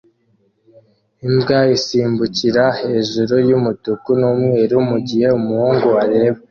Imbwa isimbukira hejuru yumutuku numweru mugihe umuhungu areba